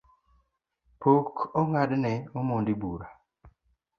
Pok ong’adne omondi Bura